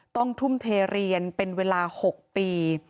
ต้องทุ่มเทเรียนเป็นเวลาหกปี